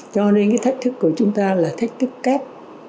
cho nên cái thách thức của chúng ta là thách thức kép